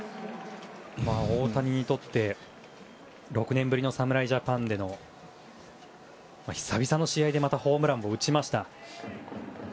大谷にとって６年ぶりの侍ジャパンでの久々の試合でホームランを打ちました。